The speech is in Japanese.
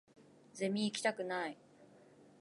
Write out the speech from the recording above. ゼミ行きたくない